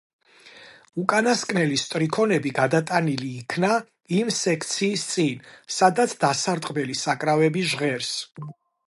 უკანასკნელი სტრიქონები გადატანილი იქნა იმ სექციის წინ, სადაც დასარტყმელი საკრავები ჟღერს.